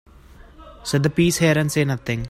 Set the piece here and say nothing.